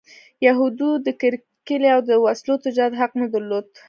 یهودو د کرکیلې او د وسلو تجارت حق نه درلود.